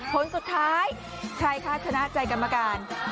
ผลสุดท้ายใครคะชนะใจกรรมการ